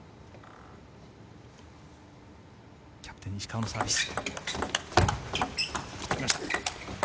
キャプテン石川のサービス。